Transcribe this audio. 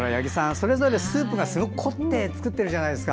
それぞれスープがすごく凝って作ってるじゃないですか。